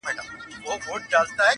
نه حیا له رقیبانو نه سیالانو٫